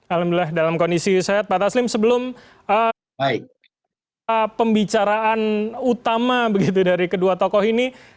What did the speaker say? alhamdulillah dalam kondisi sehat pak taslim sebelum pembicaraan utama begitu dari kedua tokoh ini